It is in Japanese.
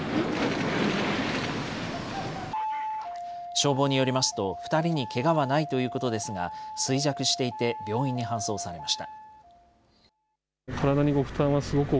消防によりますと、２人にけがはないということですが、衰弱していて、病院に搬送されました。